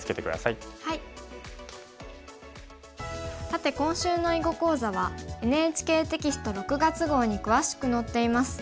さて今週の囲碁講座はＮＨＫテキスト６月号に詳しく載っています。